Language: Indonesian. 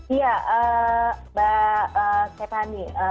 iya mbak stephanie